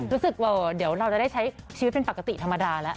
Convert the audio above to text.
รู้สึกว่าเดี๋ยวเราจะได้ใช้ชีวิตเป็นปกติธรรมดาแล้ว